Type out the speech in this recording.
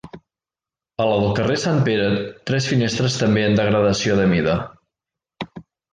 A la del carrer Sant Pere tres finestres també en degradació de mida.